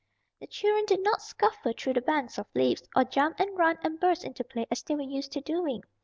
The children did not scuffle through the banks of leaves, or jump and run and burst into play as they were used to doing.